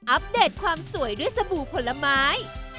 อัปเดตความสวยด้วยสบู่ผลไม้